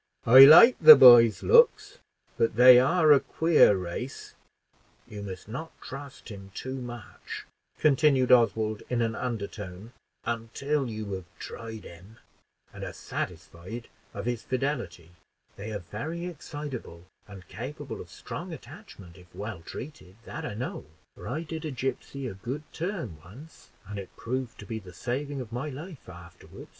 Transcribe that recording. "I like the boy's looks; but they are a queer race. You must not trust him too much," continued Oswald, in an undertone, "until you have tried him, and are satisfied of his fidelity. They are very excitable, and capable of strong attachment if well treated. That I know, for I did a gipsy a good turn once, and it proved to be the saving of my life afterward."